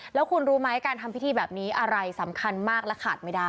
แล้วคุณรู้ไหมการทำพิธีแบบนี้อะไรสำคัญมากและขาดไม่ได้